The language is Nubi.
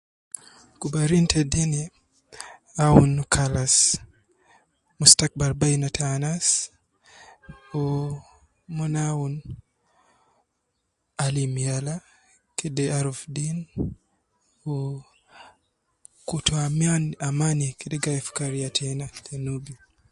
Kubarin te deeni awun kalas mustakbal beina ta anas, wu mon awun ,alim yala kede aruf deen, wu kutu aman amani kede gai fi kariya tena ta nubi